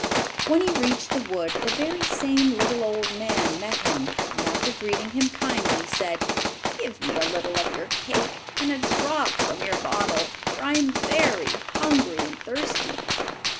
When he reached the wood the very same little old man met him, and after greeting him kindly, said: "Give me a little of your cake and a drop from your bottle, for I am very hungry and thirsty."